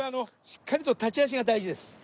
しっかりと立ち足が大事です。